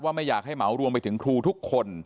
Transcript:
ไม่อยากให้เหมารวมไปถึงครูทุกคน